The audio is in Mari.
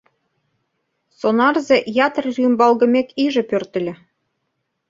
Сонарзе ятыр рӱмбалгымек иже пӧртыльӧ.